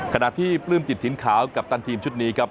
ขณะที่ปลื้มจิตถิ่นขาวกัปตันทีมชุดนี้ครับ